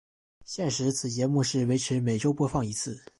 现时此节目是维持每周播放一次。